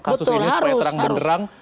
kasus ini supaya terang benderang